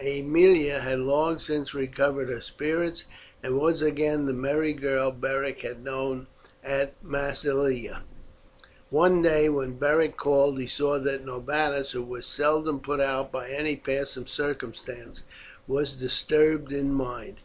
Aemilia had long since recovered her spirits, and was again the merry girl Beric had known at Massilia. One day when Beric called he saw that Norbanus, who was seldom put out by any passing circumstance, was disturbed in mind.